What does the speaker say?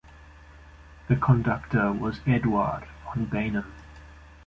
The conductor was Eduard van Beinum.